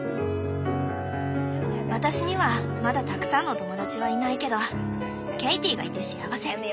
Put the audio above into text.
私にはまだたくさんの友だちはいないけどケイティがいて幸せ。